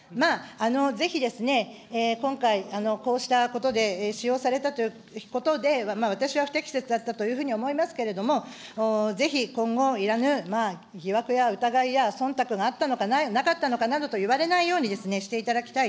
ぜひ、今回、こうしたことで使用されたということで、私は不適切だったというふうに思いますけれども、ぜひ今後、いらぬ疑惑や疑いやそんたくがあったのかなかったのかなどと言われないようにしていただきたい。